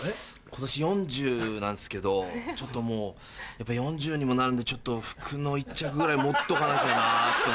今年４０なんですけどちょっともう４０にもなるんで服の１着ぐらい持っとかなきゃなって思いまして。